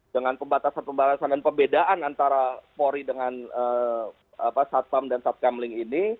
dengan pembatasan pembatasan dan pembedaan antara polri dengan satpam dan satkamling ini